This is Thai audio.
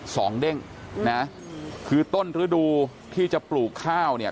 เด้งนะคือต้นฤดูที่จะปลูกข้าวเนี่ย